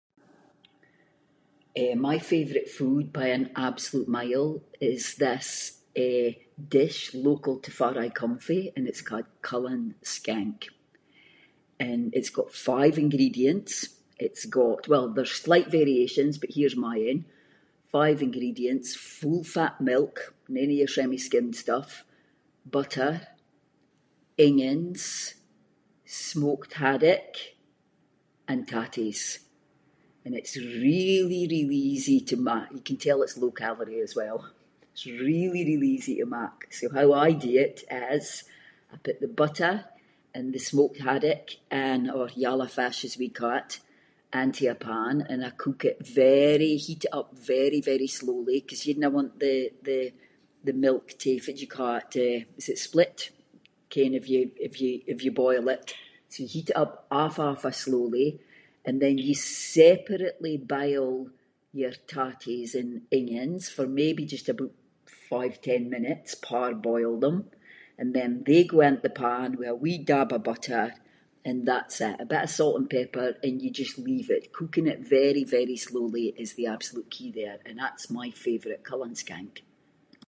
Eh, my favourite food by an absolute mile is this, eh, dish, local to farr I come fae, and its ca’d Cullen Skink, and it’s got five ingredients. It’s got- well there are slight variations, but here’s my ain, five ingredients: full fat milk none of your semi-skimmed stuff, butter, ingans, smoked haddock, and tatties. And it’s really really easy to mak, you can tell it’s low-calorie as well. It’s really really easy to mak, so how I do it is, I put the butter and the smoked haddock and- or yellow fish as we ca’ it, into a pan and I cook it very- heat it up very very slowly, ‘cause you dinna want the- the- the milk to fitt do you ca’ it, to- is it split? Ken if you- if you- if you boil it. So you heat if up awfu', awfu' slowly, and then you separately boil your tatties and ingans for maybe just aboot five/ten minutes, parboil them, and then they go into the pan, with a wee dab of butter, and that’s it, a bit of salt and pepper, and you just leave it. Cooking it very very slowly is the absolute key there, and that’s my favourite, Cullen Skink.